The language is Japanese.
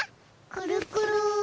くるくる。